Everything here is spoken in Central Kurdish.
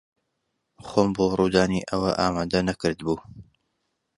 خۆم بۆ ڕوودانی ئەوە ئامادە نەکردبوو.